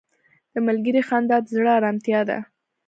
• د ملګري خندا د زړه ارامتیا ده.